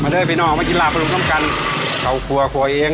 เราแต่ละประดูกข้ามกันเข่าคั่วกลัวกลัวเอง